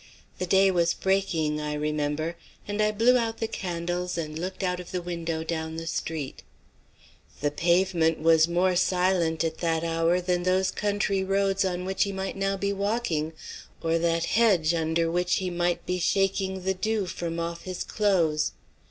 The day was breaking, I remember, and I blew out the candles and looked out of the window down the street. The pavement was more silent at that hour than those country roads on which he might now be walking, or that hedge under which he might be shaking the dew from off his clothes.